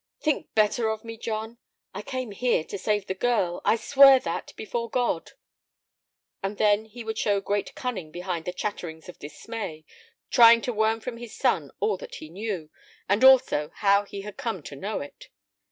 "Think better of me, John. I came here to save the girl: I swear that, before God." And then he would show great cunning behind the chatterings of dismay, trying to worm from his son all that he knew, and also how he had come to know it.